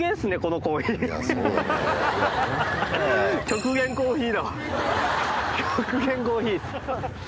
極限コーヒーです。